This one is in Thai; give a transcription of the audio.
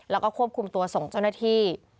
แล้วก็ควบคุมตัวส่งเจ้าหน้าที่